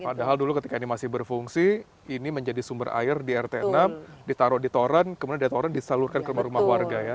padahal dulu ketika ini masih berfungsi ini menjadi sumber air di rt enam ditaruh di toran kemudian dari toran disalurkan ke rumah rumah warga ya